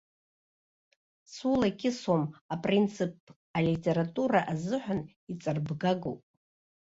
Сулакьысуам апринцип алитература азыҳәан иҵарбгагоуп.